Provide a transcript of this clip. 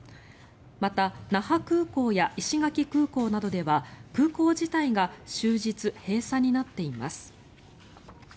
また那覇空港や石垣空港などでは空港自体が終日、閉鎖になっています。